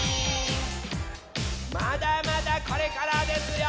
まだまだこれからですよ！